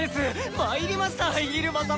まいりました入間様！